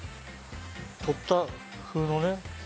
取った風のね。